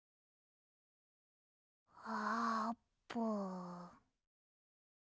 あーぷん。